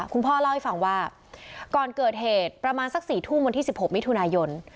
คุณพ่อเล่าให้ฟังว่าก่อนเกิดเหตุประมาณสัก๔ทุ่มวันที่๑๖มิถุนายน